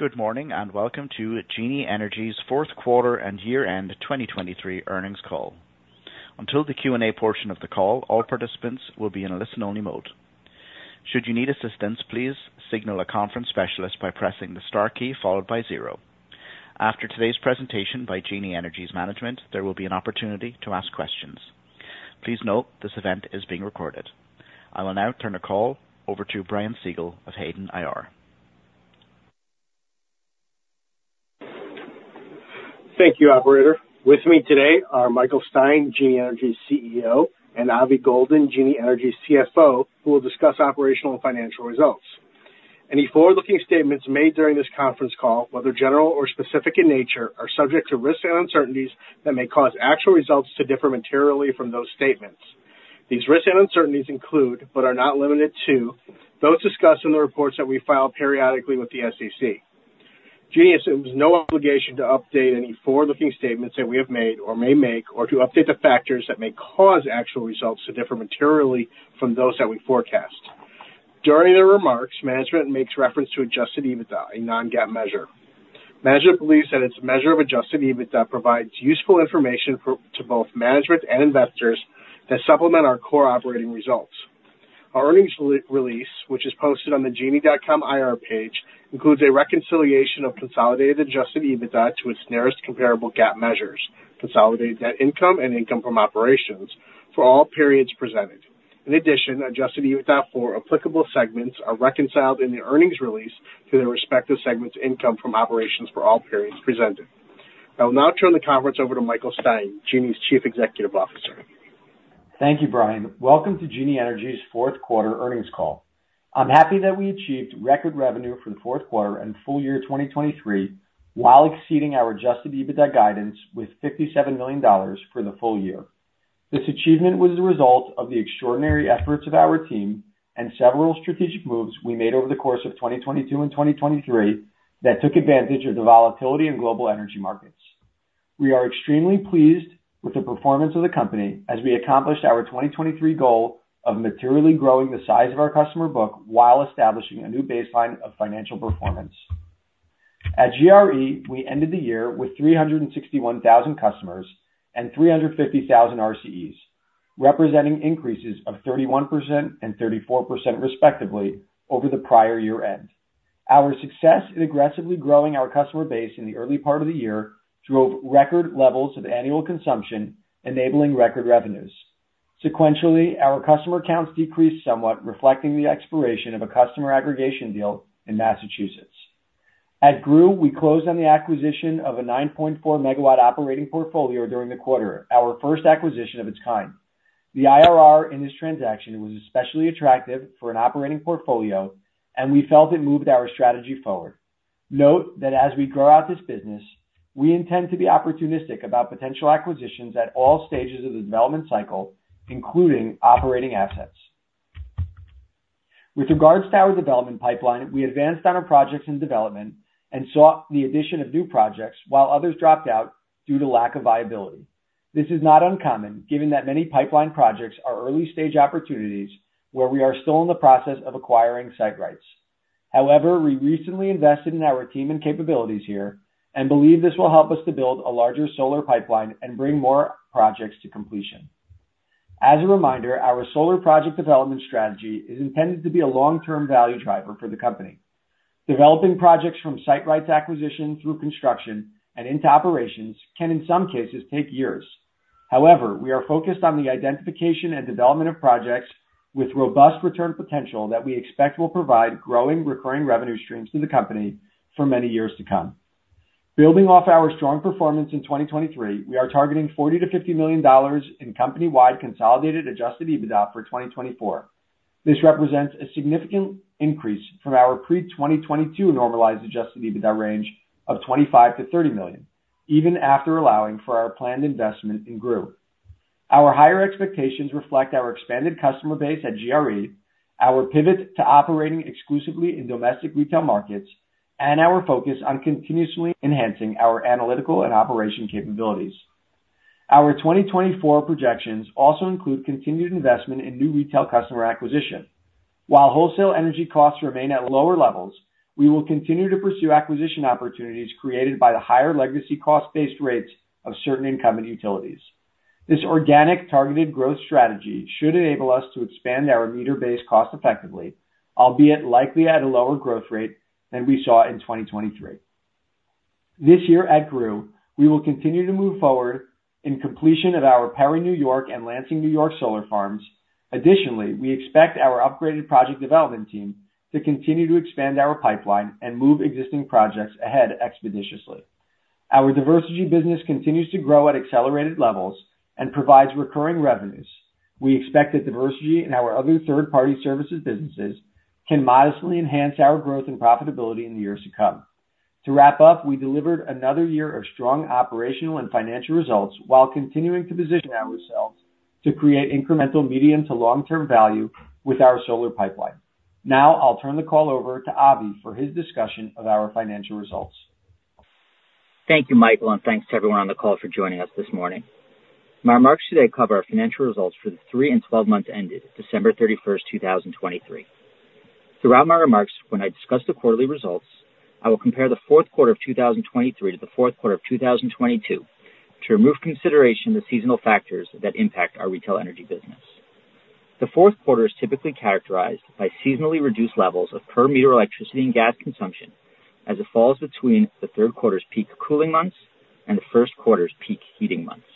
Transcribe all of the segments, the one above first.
Good morning, and welcome to Genie Energy's fourth quarter and year-end 2023 earnings call. Until the Q&A portion of the call, all participants will be in a listen-only mode. Should you need assistance, please signal a conference specialist by pressing the star key followed by zero. After today's presentation by Genie Energy's management, there will be an opportunity to ask questions. Please note, this event is being recorded. I will now turn the call over to Brian Siegel of Hayden IR. Thank you, operator. With me today are Michael Stein, Genie Energy's CEO, and Avi Goldin, Genie Energy's CFO, who will discuss operational and financial results. Any forward-looking statements made during this conference call, whether general or specific in nature, are subject to risks and uncertainties that may cause actual results to differ materially from those statements. These risks and uncertainties include, but are not limited to, those discussed in the reports that we file periodically with the SEC. Genie assumes no obligation to update any forward-looking statements that we have made or may make, or to update the factors that may cause actual results to differ materially from those that we forecast. During the remarks, management makes reference to Adjusted EBITDA, a non-GAAP measure. Management believes that its measure of Adjusted EBITDA provides useful information for to both management and investors that supplement our core operating results. Our earnings re-release, which is posted on the genie.com IR page, includes a reconciliation of consolidated Adjusted EBITDA to its nearest comparable GAAP measures, consolidated net income and income from operations for all periods presented. In addition, Adjusted EBITDA for applicable segments are reconciled in the earnings release to their respective segment's income from operations for all periods presented. I will now turn the conference over to Michael Stein, Genie's Chief Executive Officer. Thank you, Brian. Welcome to Genie Energy's fourth quarter earnings call. I'm happy that we achieved record revenue for the fourth quarter and full year 2023, while exceeding our Adjusted EBITDA guidance with $57 million for the full year. This achievement was a result of the extraordinary efforts of our team and several strategic moves we made over the course of 2022 and 2023 that took advantage of the volatility in global energy markets. We are extremely pleased with the performance of the company as we accomplished our 2023 goal of materially growing the size of our customer book while establishing a new baseline of financial performance. At GRE, we ended the year with 361,000 customers and 350,000 RCEs, representing increases of 31% and 34%, respectively, over the prior year end. Our success in aggressively growing our customer base in the early part of the year drove record levels of annual consumption, enabling record revenues. Sequentially, our customer counts decreased somewhat, reflecting the expiration of a customer aggregation deal in Massachusetts. At GRU, we closed on the acquisition of a 9.4-megawatt operating portfolio during the quarter, our first acquisition of its kind. The IRR in this transaction was especially attractive for an operating portfolio, and we felt it moved our strategy forward. Note that as we grow out this business, we intend to be opportunistic about potential acquisitions at all stages of the development cycle, including operating assets. With regards to our development pipeline, we advanced on our projects and development and saw the addition of new projects while others dropped out due to lack of viability. This is not uncommon, given that many pipeline projects are early-stage opportunities where we are still in the process of acquiring site rights. However, we recently invested in our team and capabilities here and believe this will help us to build a larger solar pipeline and bring more projects to completion. As a reminder, our solar project development strategy is intended to be a long-term value driver for the company. Developing projects from site rights acquisition through construction and into operations can, in some cases, take years. However, we are focused on the identification and development of projects with robust return potential that we expect will provide growing recurring revenue streams to the company for many years to come. Building off our strong performance in 2023, we are targeting $40 million-$50 million in company-wide consolidated Adjusted EBITDA for 2024. This represents a significant increase from our pre-2022 normalized Adjusted EBITDA range of $25 million-$30 million, even after allowing for our planned investment in GRU. Our higher expectations reflect our expanded customer base at GRE, our pivot to operating exclusively in domestic retail markets, and our focus on continuously enhancing our analytical and operational capabilities. Our 2024 projections also include continued investment in new retail customer acquisition. While wholesale energy costs remain at lower levels, we will continue to pursue acquisition opportunities created by the higher legacy cost-based rates of certain incumbent utilities. This organic targeted growth strategy should enable us to expand our meter base cost-effectively, albeit likely at a lower growth rate than we saw in 2023. This year at GRU, we will continue to move forward in completion of our Perry, New York and Lansing, New York solar farms. Additionally, we expect our upgraded project development team to continue to expand our pipeline and move existing projects ahead expeditiously. Our Diversegy business continues to grow at accelerated levels and provides recurring revenues. We expect that Diversegy and our other third-party services businesses can modestly enhance our growth and profitability in the years to come. To wrap up, we delivered another year of strong operational and financial results while continuing to position ourselves to create incremental medium to long-term value with our solar pipeline. Now I'll turn the call over to Avi for his discussion of our financial results. Thank you, Michael, and thanks to everyone on the call for joining us this morning. My remarks today cover our financial results for the three and twelve months ended December 31st, 2023. Throughout my remarks, when I discuss the quarterly results, I will compare the fourth quarter of 2023 to the fourth quarter of 2022 to remove consideration the seasonal factors that impact our retail energy business. The fourth quarter is typically characterized by seasonally reduced levels of per meter electricity and gas consumption as it falls between the third quarter's peak cooling months and the first quarter's peak heating months.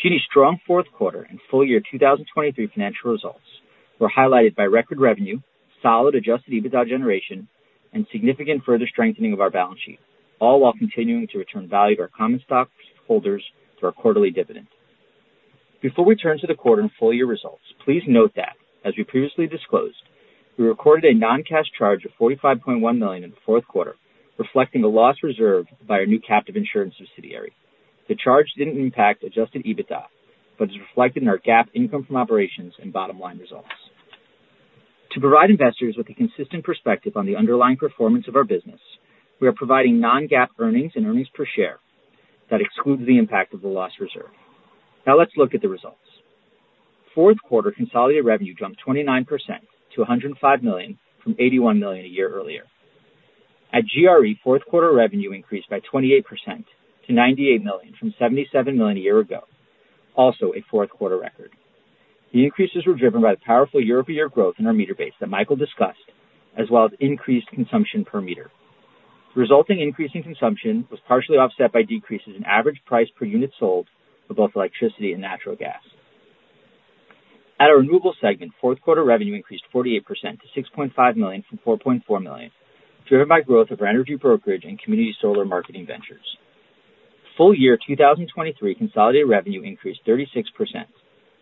Genie's strong fourth quarter and full year 2023 financial results were highlighted by record revenue, solid Adjusted EBITDA generation, and significant further strengthening of our balance sheet, all while continuing to return value to our common stockholders through our quarterly dividend. Before we turn to the quarter and full year results, please note that as we previously disclosed, we recorded a non-cash charge of $45.1 million in the fourth quarter, reflecting a loss reserved by our new captive insurance subsidiary. The charge didn't impact Adjusted EBITDA, but is reflected in our GAAP income from operations and bottom line results. To provide investors with a consistent perspective on the underlying performance of our business, we are providing non-GAAP earnings and earnings per share that excludes the impact of the loss reserve. Now let's look at the results. Fourth quarter consolidated revenue jumped 29% to $105 million from $81 million a year earlier. At GRE, fourth quarter revenue increased by 28% to $98 million from $77 million a year ago, also a fourth quarter record. The increases were driven by the powerful year-over-year growth in our meter base that Michael discussed, as well as increased consumption per meter. The resulting increase in consumption was partially offset by decreases in average price per unit sold for both electricity and natural gas. At our renewable segment, fourth quarter revenue increased 48% to $6.5 million from $4.4 million, driven by growth of our energy brokerage and community solar marketing ventures. Full year 2023 consolidated revenue increased 36%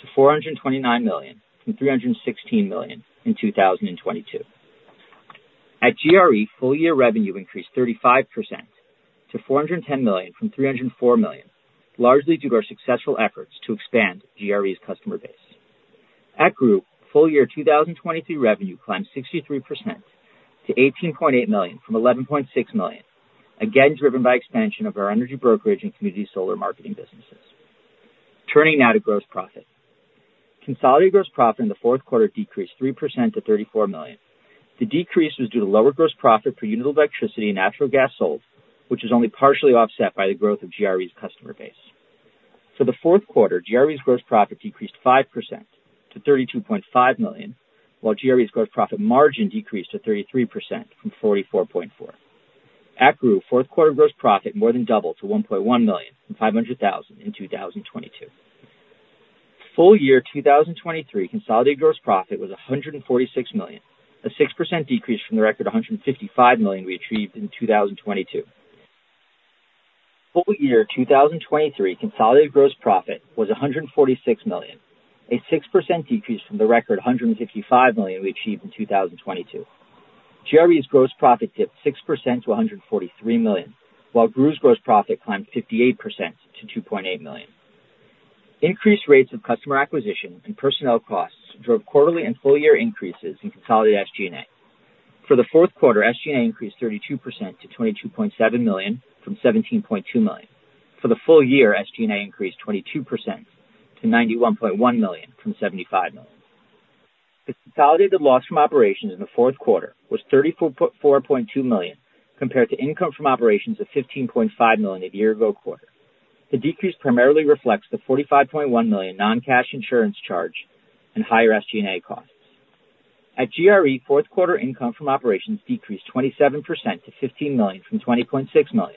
to $429 million from $316 million in 2022. At GRE, full year revenue increased 35% to $410 million from $304 million, largely due to our successful efforts to expand GRE's customer base. At GRU, full year 2023 revenue climbed 63% to $18.8 million from $11.6 million, again, driven by expansion of our energy brokerage and community solar marketing businesses. Turning now to gross profit. Consolidated gross profit in the fourth quarter decreased 3% to $34 million. The decrease was due to lower gross profit per unit of electricity and natural gas sold, which is only partially offset by the growth of GRE's customer base. For the fourth quarter, GRE's gross profit decreased 5% to $32.5 million, while GRE's gross profit margin decreased to 33% from 44.4%. At GRU, fourth quarter gross profit more than doubled to $1.1 million from $500,000 in 2022. Full year 2023 consolidated gross profit was $146 million, a 6% decrease from the record $155 million we achieved in 2022. Full year 2023 consolidated gross profit was $146 million, a 6% decrease from the record $155 million we achieved in 2022. GRE's gross profit dipped 6% to $143 million, while GRU's gross profit climbed 58% to $2.8 million. Increased rates of customer acquisition and personnel costs drove quarterly and full year increases in consolidated SG&A. For the fourth quarter, SG&A increased 32% to $22.7 million from $17.2 million. For the full year, SG&A increased 22% to $91.1 million from $75 million. The consolidated loss from operations in the fourth quarter was $34.42 million, compared to income from operations of $15.5 million a year ago quarter. The decrease primarily reflects the $45.1 million non-cash insurance charge and higher SG&A costs. At GRE, fourth quarter income from operations decreased 27% to $15 million from $20.6 million,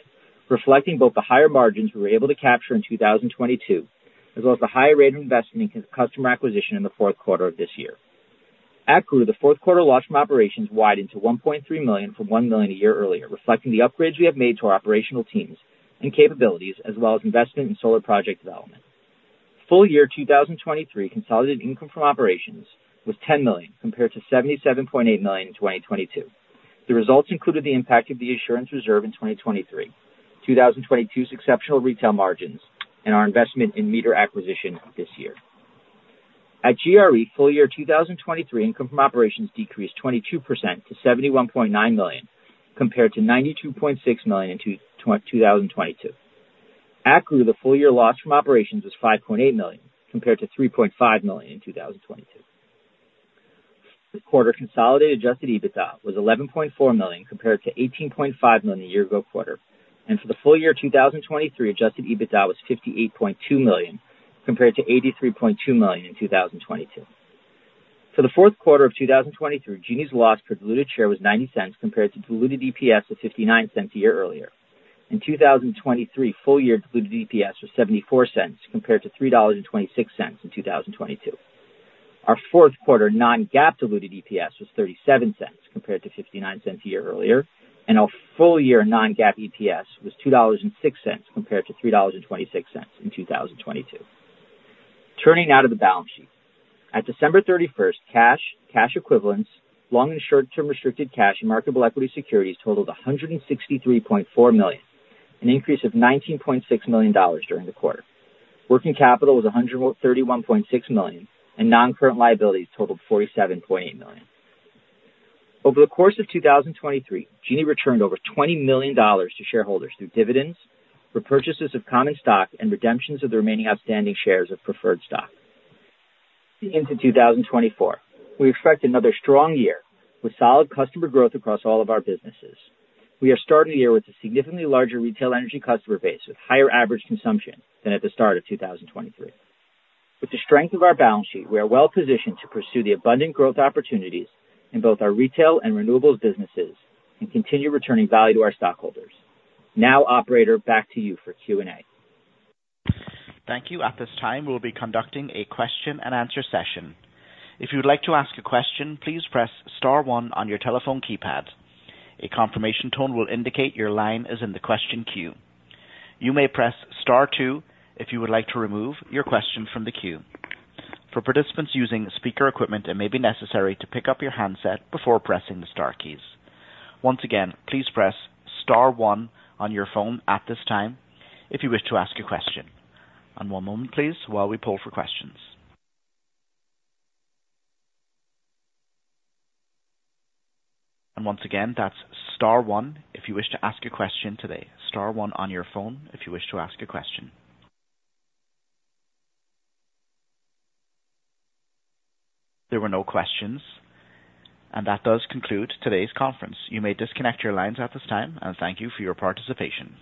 reflecting both the higher margins we were able to capture in 2022, as well as the higher rate of investment in customer acquisition in the fourth quarter of this year. At GRU, the fourth quarter loss from operations widened to $1.3 million from $1 million a year earlier, reflecting the upgrades we have made to our operational teams and capabilities, as well as investment in solar project development. Full year 2023 consolidated income from operations was $10 million, compared to $77.8 million in 2022. The results included the impact of the insurance reserve in 2023, 2022's exceptional retail margins, and our investment in meter acquisition this year. At GRE, full year 2023 income from operations decreased 22% to $71.9 million, compared to $92.6 million in 2022. At GRU, the full year loss from operations was $5.8 million, compared to $3.5 million in 2022. The quarter consolidated adjusted EBITDA was $11.4 million, compared to $18.5 million a year ago quarter. For the full year 2023, adjusted EBITDA was $58.2 million, compared to $83.2 million in 2022. For the fourth quarter of 2023, Genie's loss per diluted share was $0.90, compared to diluted EPS of $0.59 a year earlier. In 2023, full year diluted EPS was $0.74, compared to $3.26 in 2022. Our fourth quarter non-GAAP diluted EPS was $0.37, compared to $0.59 a year earlier, and our full-year non-GAAP EPS was $2.06, compared to $3.26 in 2022. Turning now to the balance sheet. At December 31st, cash, cash equivalents, long- and short-term restricted cash and marketable equity securities totaled $163.4 million, an increase of $19.6 million during the quarter. Working capital was $131.6 million, and non-current liabilities totaled $47.8 million. Over the course of 2023, Genie returned over $20 million to shareholders through dividends, repurchases of common stock, and redemptions of the remaining outstanding shares of preferred stock. Into 2024, we expect another strong year with solid customer growth across all of our businesses. We are starting the year with a significantly larger retail energy customer base, with higher average consumption than at the start of 2023. With the strength of our balance sheet, we are well positioned to pursue the abundant growth opportunities in both our retail and renewables businesses and continue returning value to our stockholders. Now, operator, back to you for Q&A. Thank you. At this time, we'll be conducting a question-and-answer session. If you'd like to ask a question, please press star one on your telephone keypad. A confirmation tone will indicate your line is in the question queue. You may press star two if you would like to remove your question from the queue. For participants using speaker equipment, it may be necessary to pick up your handset before pressing the star keys. Once again, please press star one on your phone at this time if you wish to ask a question. One moment, please, while we poll for questions. Once again, that's star one if you wish to ask a question today. Star one on your phone if you wish to ask a question. There were no questions, and that does conclude today's conference. You may disconnect your lines at this time, and thank you for your participation.